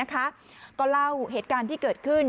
ก็เล่าเหตุการณ์ที่เกิดขึ้น